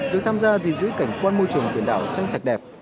được tham gia gìn giữ cảnh quan môi trường biển đảo xanh sạch đẹp